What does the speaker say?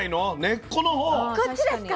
こっちですか？